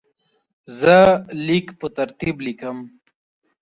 زه لیک په ترتیب لیکم.